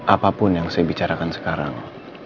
apapun yang saya bicarakan sekarang